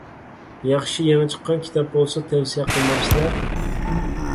ياخشى، يېڭى چىققان كىتاب بولسا تەۋسىيە قىلمامسىلەر؟